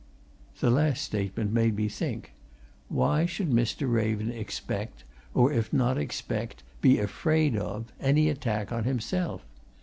The last statement made me think. Why should Mr. Raven expect or, if not expect, be afraid of, any attack on himself?